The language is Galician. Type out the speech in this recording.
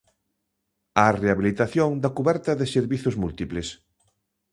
A rehabilitación da cuberta de servizos múltiples.